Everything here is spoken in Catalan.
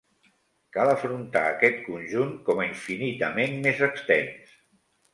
Cal afrontar aquest conjunt com a infinitament més extens.